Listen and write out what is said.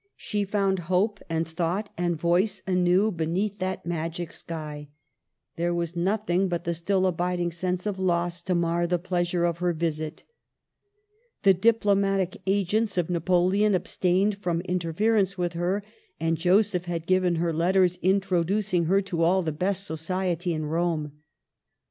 She found hope and thought and, voice anew beneath that magic sky. There was nothing but the still abiding sense of loss to mar the pleasure of her visit. The diplomatic agents of Napoleon abstained from interference with her, and Joseph had given her letters introducing her to all the best society in Rome.